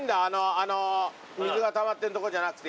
あの水がたまってるとこじゃなくて。